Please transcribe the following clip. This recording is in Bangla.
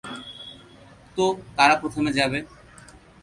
তো, কারা প্রথমে যাবে?